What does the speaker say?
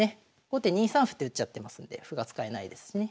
後手２三歩って打っちゃってますんで歩が使えないですしね。